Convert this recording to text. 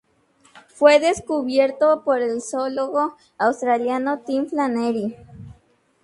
Fue descubierto por el zoólogo australiano Tim Flannery.